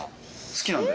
好きなんだ？